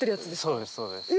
そうですそうです。え？